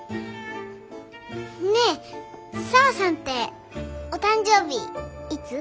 ねえ沙和さんってお誕生日いつ？